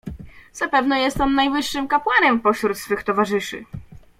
"Zapewne jest on najwyższym kapłanem pośród swych towarzyszy."